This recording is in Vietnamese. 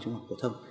trung học phổ thông